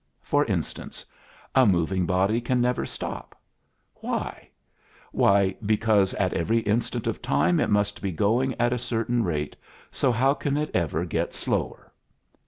For instance: A moving body can never stop. Why? Why, because at every instant of time it must be going at a certain rate, so how can it ever get slower?